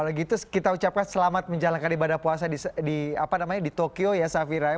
kalau gitu kita ucapkan selamat menjalankan ibadah puasa di tokyo ya safira